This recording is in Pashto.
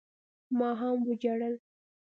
ما هم وجړل.